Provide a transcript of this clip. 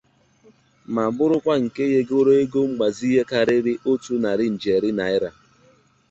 ma bụrụkwa nke nyegoro ego mgbazinye karịrị otu narị ijeri naịra